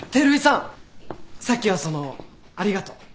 さっきはそのありがとう。